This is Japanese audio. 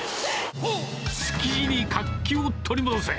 築地に活気を取り戻せ！